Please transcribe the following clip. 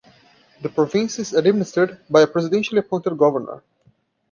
The province is administered by a presidentially appointed governor.